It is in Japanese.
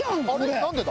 何でだ？